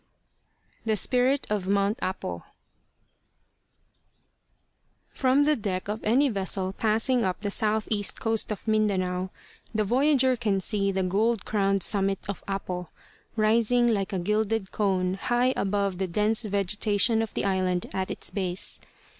THE SPIRIT OF MT. APO From the deck of any vessel passing up the southeast coast of Mindanao, the voyager can see the gold crowned summit of Apo, rising like a gilded cone high above the dense vegetation of the island at its base.